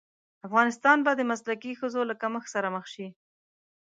افغانستان به د مسلکي ښځو له کمښت سره مخ شي.